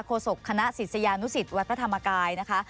โศกคณะศิษยานุสิตวัดพระธรรมกายนะคะ